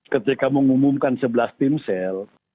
ketika mengumumkan sebelas timsel